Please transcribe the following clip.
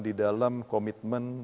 di dalam komitmen